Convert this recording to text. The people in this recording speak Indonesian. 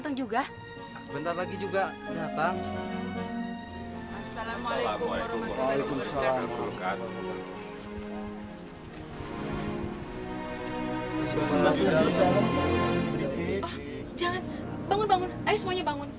punya teman terbaik ratio